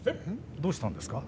どうしたんですか？